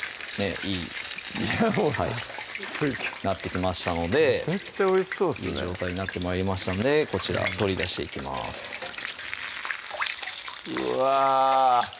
いやもうなってきましたのでめちゃくちゃおいしそうですねいい状態になって参りましたのでこちら取り出していきますうわ！